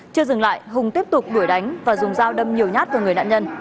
chưa dừng lại hùng tiếp tục đuổi đánh và dùng dao đâm nhiều nhát vào người nạn nhân